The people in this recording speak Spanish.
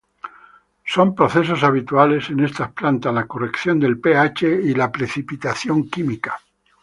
Son procesos habituales en estas plantas la corrección del pH y la precipitación química.